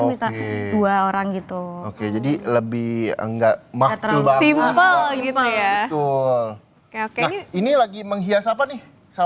bisa dua orang gitu oke jadi lebih enggak maksimal banget ya jadi lebih enggak maksimal banget ya